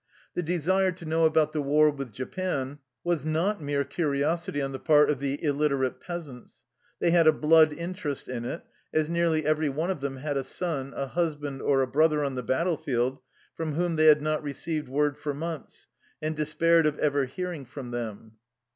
The desire to know about the war with Japan was not mere curiosity on the part of the illiterate peasants. They had a blood interest in it, as nearly every one of them had a son, a hus band or a brother on the battlefield, from whom they had not received word for months, and de spaired of ever hearing from them.